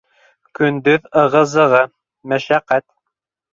Көндөҙ ығы- зығы, мәшәҡәт.